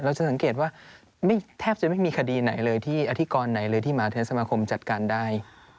จะสังเกตว่าแทบจะไม่มีคดีไหนเลยที่อธิกรไหนเลยที่หมาเทศสมาคมจัดการได้